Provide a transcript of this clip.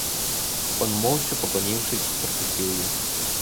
Он, молча поклонившись, пропустил ее.